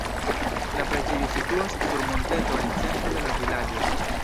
La preĝejo situas sur monteto en centro de la vilaĝo.